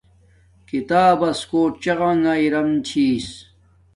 کتاب بس کوٹ چغانݣ ارم چھی